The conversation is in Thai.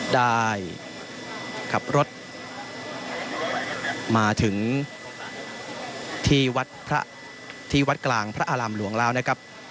ได้ขับรถมาถึงที่วัดกลางพระอารำหลวงลาวนะครับ